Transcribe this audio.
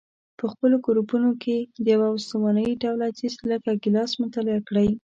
په خپلو ګروپونو کې د یوه استواني ډوله څیز لکه ګیلاس مطالعه وکړئ.